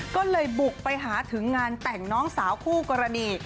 ก็เลยบุกไปหาถึงงานแต่งน้องสาวคู่กรณี